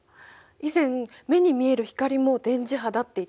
以前目に見える光も電磁波だって言ってたね。